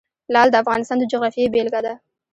لعل د افغانستان د جغرافیې بېلګه ده.